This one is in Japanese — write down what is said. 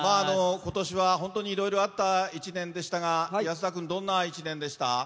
今年はいろいろあった１年でしたが安田君、どんな１年でした。